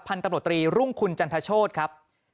พันธบตรีรุ่งคุณจันทชสครับ